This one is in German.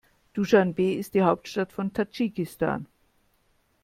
Duschanbe ist die Hauptstadt von Tadschikistan.